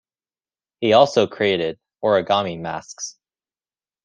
He also created origami masks.